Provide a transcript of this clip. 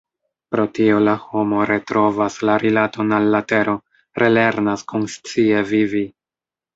Pro tio la homo retrovas la rilaton al la tero, relernas konscie vivi.